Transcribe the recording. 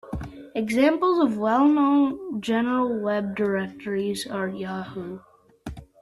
Examples of well-known general web directories are Yahoo!